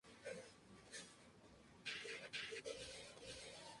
La solicitud de los vecinos fue ignorada por la Legislatura de la ciudad.